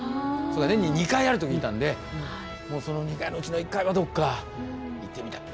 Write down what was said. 年に２回あると聞いたんでその２回のうちの１回はどっか行ってみたい。